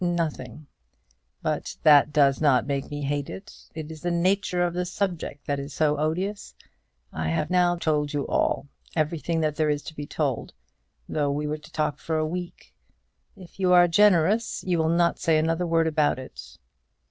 "Nothing! But that does not make me hate it. It is the nature of the subject that is so odious. I have now told you all, everything that there is to be told, though we were to talk for a week. If you are generous you will not say another word about it."